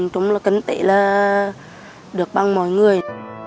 trong kinh tế là được bằng mọi người